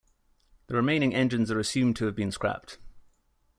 The remaining engines are assumed to have been scrapped.